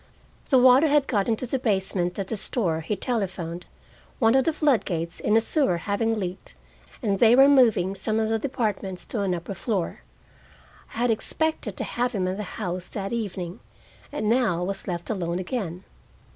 The water had got into the basement at the store, he telephoned, one of the flood gates in a sewer having leaked, and they were moving some of the departments to an upper floor. I had expected to have him in the house that evening, and now I was left alone again.